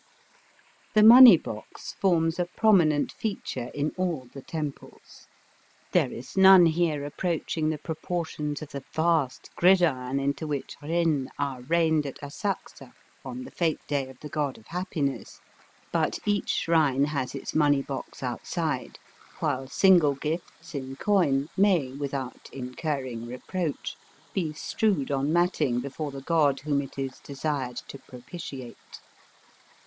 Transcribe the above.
The money box forms a prominent feature in all the temples. There is none here approaching the proportions of the vast gridiron into which rin are rained at Asakusa on the fete day of the God of Happiness. But each shrine has its money box outside, while single gifts in coin may, without incurring reproach, be strewed on matting before the god whom it is desired to propitiate.